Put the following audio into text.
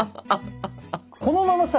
このままさ